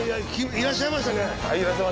いらっしゃいました。